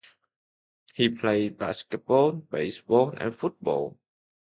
He played basketball, baseball, and football.